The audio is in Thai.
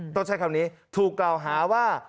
ต้องใช้คำนี้ถูกกล่าวหาว่า